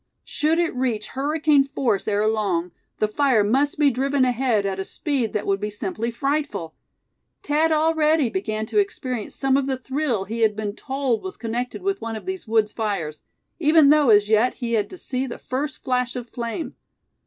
Should it reach hurricane force ere long, the fire must be driven ahead at a speed that would be simply frightful. Thad already began to experience some of the thrill he had been told was connected with one of these woods' fires; even though as yet he had to see the first flash of flame.